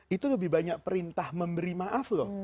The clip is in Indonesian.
itu lebih banyak perintah memberi maaf loh